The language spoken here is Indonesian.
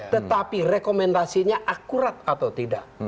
tetapi rekomendasinya akurat atau tidak